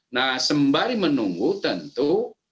nah sembari menunggu tentu